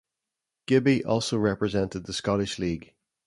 Gibby also represented the Scottish League.